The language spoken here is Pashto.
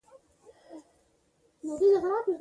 په کامن وايس کښې لګيا ىمه